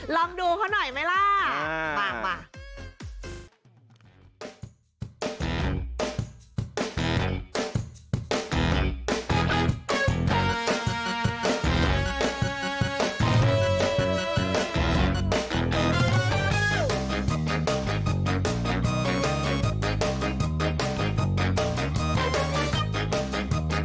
ลองดูเขาหน่อยไหมล่ะมา